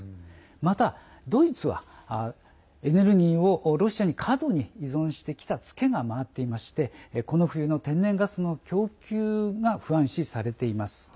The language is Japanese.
また、ドイツはエネルギーをロシアに過度に依存してきたツケが今、回っていましてこの冬の天然ガスの供給が不安視されています。